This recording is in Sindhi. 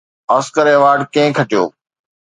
آسڪر ايوارڊ ڪنهن کٽيو؟